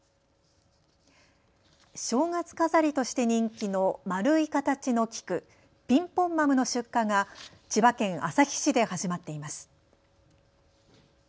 正月飾りとして人気の丸い形の菊、ピンポンマムの出荷が千葉県旭市で始まっています。